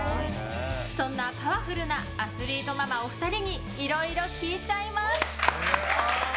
そんなパワフルなアスリートママお二人にいろいろ聞いちゃいます。